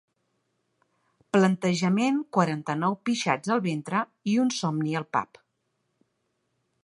Plantejament quaranta-nou pixats al ventre i un somni al pap.